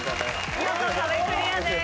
見事壁クリアです。